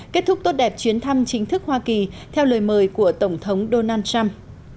kết thúc tốt đẹp chuyến thăm chính thức hoa kỳ theo lời mời của tổng thống donald trump